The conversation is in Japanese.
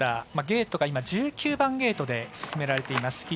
今、ゲートが１９番ゲートで進められています。